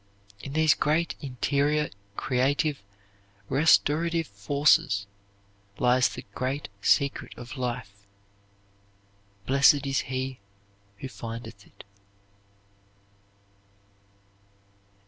In these great interior creative, restorative forces lies the great secret of life. Blessed is he who findeth it.